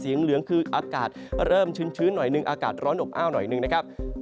เหลืองคืออากาศเริ่มชื้นหน่อยหนึ่งอากาศร้อนอบอ้าวหน่อยหนึ่งนะครับ